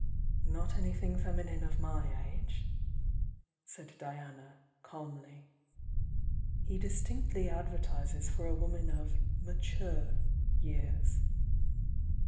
"Not anything feminine of my age," said Diana, calmly. "He distinctly advertises for a woman of 'mature' years."